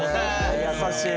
優しい。